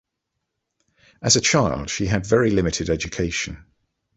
As a child, she had very limited education.